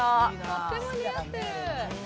とっても似合ってる。